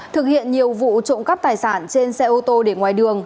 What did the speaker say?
thực hiện nhiều vụ trộm cắp tài sản trên xe ô tô để ngoài đường